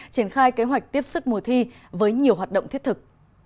triển khai kế hoạch tiếp sức mùa thi với nhiều hoạt động thiết thực